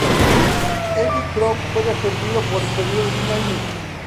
El J-Crown fue defendido por el período de un año.